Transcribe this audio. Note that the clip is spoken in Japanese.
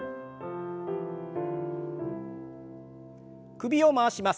首を回します。